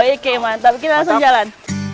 oke mantap kita langsung jalan